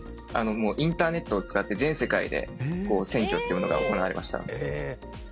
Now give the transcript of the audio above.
インターネットを使って全世界で選挙っていうものが行われました。